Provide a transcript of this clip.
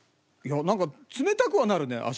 いやなんか冷たくはなるね